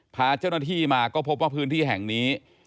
พาเจ้าหน้าที่มาก็พบว่าพื้นที่แห่งนี้